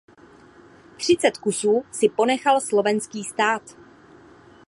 Třicet kusů si ponechal Slovenský stát.